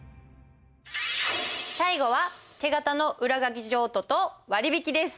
最後は手形の裏書譲渡と割引です。